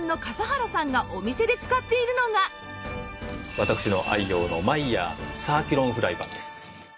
私の愛用のマイヤーサーキュロンフライパンです。